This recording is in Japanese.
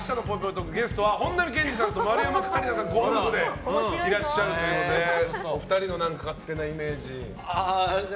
トークゲストは本並健治さんと丸山桂里奈さんご夫婦でいらっしゃるということでお二人の勝手なイメージがあれば。